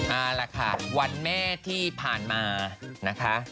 เอาล่ะค่ะวันแม่ที่ผ่านมานะคะ